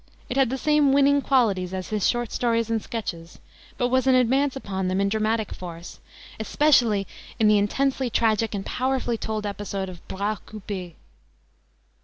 It had the same winning qualities as his short stories and sketches, but was an advance upon them in dramatic force, especially in the intensely tragic and powerfully told episode of "Bras Coupe."